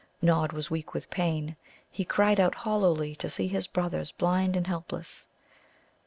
Nod was weak with pain. He cried out hollowly to see his brothers blind and helpless.